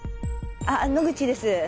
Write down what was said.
あっ野口です。